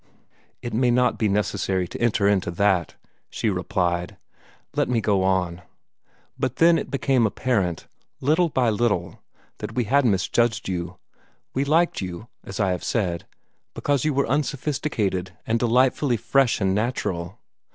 "It may not be necessary to enter into that," she replied. "Let me go on. But then it became apparent, little by little, that we had misjudged you. We liked you, as I have said, because you were unsophisticated and delightfully fresh and natural.